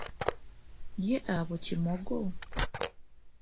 Ye aba kimoggo.